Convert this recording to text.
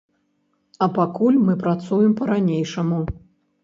А пакуль мы працуем па-ранейшаму.